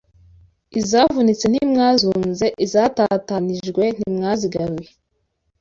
izavunitse ntimwazunze izatatanijwe ntimwazigaruye